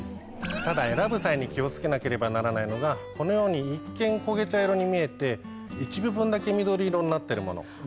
ただ選ぶ際に気を付けなければならないのがこのように一見焦げ茶色に見えて一部分だけ緑色になってるもの。